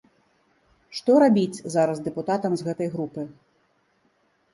Што рабіць зараз дэпутатам з гэтай групы?